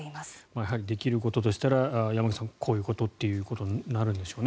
やはりできることとしたら山口さん、こういうことということになるんでしょうね